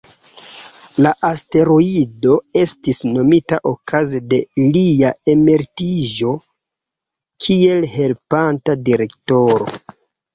La asteroido estis nomita okaze de lia emeritiĝo kiel helpanta direktoro.